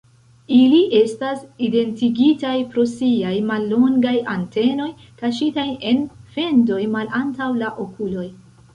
Ili estas identigitaj pro siaj mallongaj antenoj, kaŝitaj en fendoj malantaŭ la okuloj.